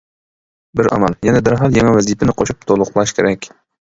بىر ئامال يەنى دەرھال يېڭى ۋەزىپىنى قوشۇپ تولۇقلاش كېرەك.